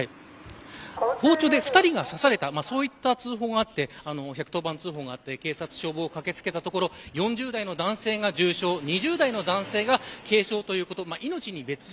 包丁で２人が刺されたという通報があって１１０番通報があり警察が駆け付けたところ４０代の男性が重傷２０代の男性が軽傷ということ。